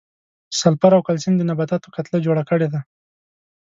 سلفر او کلسیم د نباتاتو کتله جوړه کړې ده.